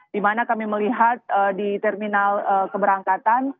dimana kami melihat di terminal keberangkatan